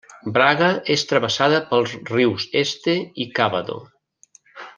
Braga és travessada pels rius Este i Cávado.